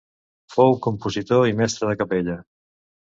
Fou un compositor i mestre de capella.